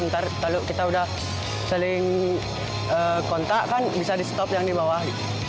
nanti kalau kita sudah saling kontak kan bisa di stop yang di bawah